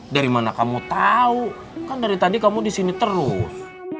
dari mana kamu tau kan dari tadi kamu disini terus